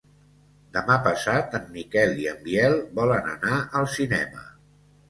Demà passat en Miquel i en Biel volen anar al cinema.